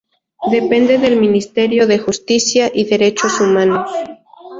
Depende del Ministerio de Justicia y Derechos Humanos.